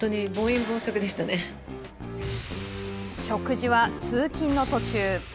食事は通勤の途中。